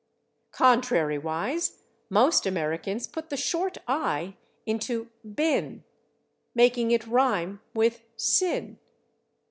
Contrariwise, most Americans put the short /i/ into /been/, making it rhyme with /sin